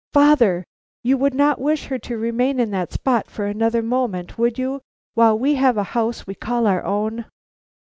Father, you would not wish her to remain in that spot for another moment, would you, while we have a house we call our own?"